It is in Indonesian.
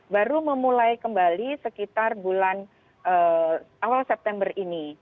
baru memulai kembali sekitar bulan awal september ini